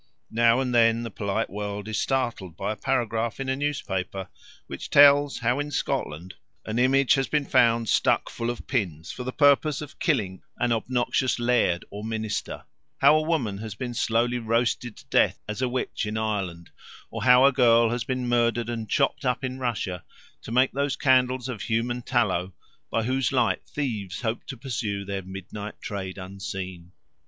Now and then the polite world is startled by a paragraph in a newspaper which tells how in Scotland an image has been found stuck full of pins for the purpose of killing an obnoxious laird or minister, how a woman has been slowly roasted to death as a witch in Ireland, or how a girl has been murdered and chopped up in Russia to make those candles of human tallow by whose light thieves hope to pursue their midnight trade unseen.